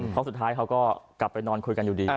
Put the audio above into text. เพราะสุดท้ายเขาก็กลับไปนอนคุยกันอยู่ดี